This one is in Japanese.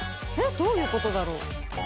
どういうことだろう。